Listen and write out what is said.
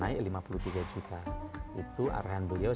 itu arahan bu yos yang kita lakukan